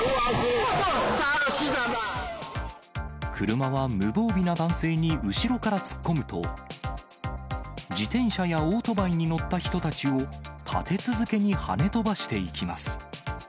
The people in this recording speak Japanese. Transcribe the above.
車は無防備な男性に後ろから突っ込むと、自転車やオートバイに乗った人たちを立て続けにはね飛ばしていきます。